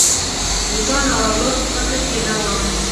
د ځان او اولاد په فکر کې نه وم.